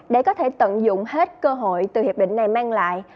để có thể tận dụng hết cơ hội từ hiệp định này mang lại